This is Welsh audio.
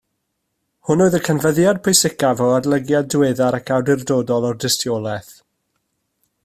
Hwn oedd y canfyddiad pwysicaf o adolygiad diweddar ac awdurdodol o'r dystiolaeth